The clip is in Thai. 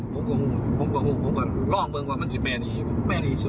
ผมก็ห่วงผมก็ห่วงผมก็ร่องเบิ่งว่ามันจะไม่ดีไม่ดีสุด